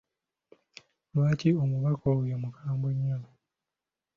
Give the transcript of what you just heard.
Lwaki omubaka oyo mukambwe nnyo?